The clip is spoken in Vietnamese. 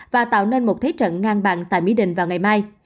và tạo nên một thế trận ngang bằng tại mỹ đình vào ngày mai